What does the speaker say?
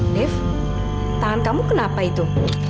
dev tangan kamu kenapa itu